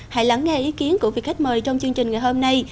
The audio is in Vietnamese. hãy lắng nghe ý kiến của vị khách mời trong chương trình ngày hôm nay